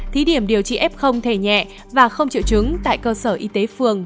thí điểm điều trị f thể nhẹ và không triệu chứng tại cơ sở y tế phường